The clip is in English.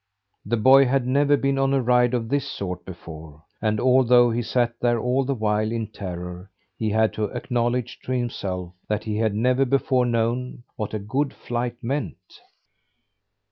The boy had never been on a ride of this sort before; and although he sat there all the while in terror, he had to acknowledge to himself that he had never before known what a good flight meant.